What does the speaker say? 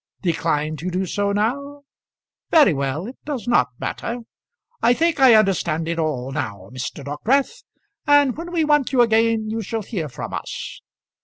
Decline to do so now? Very well; it does not matter. I think I understand it all now, Mr. Dockwrath; and when we want you again, you shall hear from us.